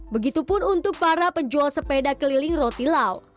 begitupun untuk para penjual sepeda keliling roti lau